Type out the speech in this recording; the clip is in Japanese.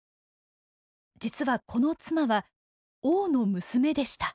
実はこの妻は王の娘でした。